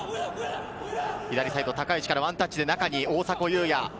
左サイド高い位置からワンタッチで中に大迫勇也。